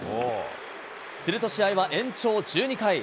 すると試合は延長１２回。